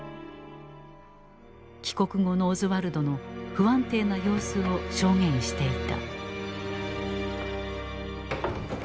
帰国後のオズワルドの不安定な様子を証言していた。